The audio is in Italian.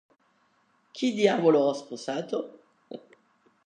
Chi diavolo ho sposato?